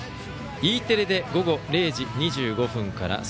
Ｅテレで午後０時２５分から。